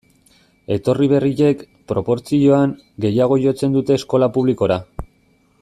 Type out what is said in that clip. Etorri berriek, proportzioan, gehiago jotzen dute eskola publikora.